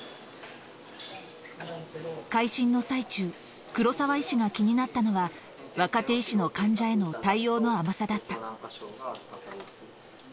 回診の最中、黒澤医師が気になったのは、若手医師の患者への対応の甘さだった。